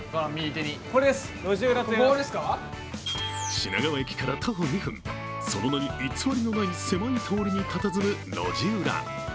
品川駅から徒歩２分、その名に偽りのない狭い通りにたたずむ、路地裏。